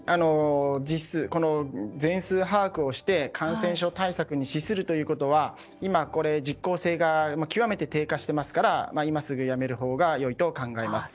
全数把握をして感染症対策に資するということは今、実効性が極めて低下していますから今すぐやめるほうがよいと考えます。